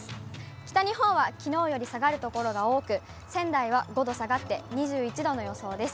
北日本はきのうより下がる所が多く、仙台は５度下がって２１度の予想です。